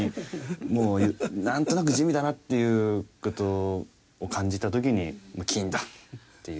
もうなんとなく地味だなっていう事を感じた時に「金だ！」っていう。